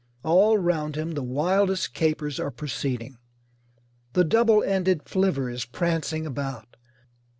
All round him the wildest capers are proceeding. The double ended flivver is prancing about.